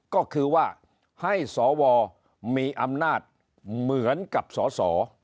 ก็คือว่าให้สวมีอำนาจเหมือนกับสส